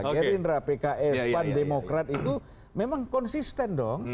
gerindra pks pan demokrat itu memang konsisten dong